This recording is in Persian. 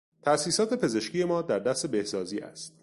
تاسیسات پزشکی ما در دست بهسازی است.